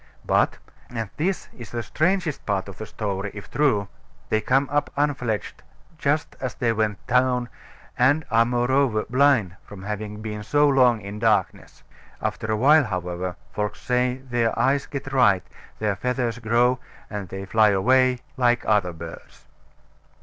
But and this is the strangest part of the story, if true they come up unfledged just as they went down, and are moreover blind from having been so long in darkness. After a while, however, folks say their eyes get right, their feathers grow, and they fly away like other birds.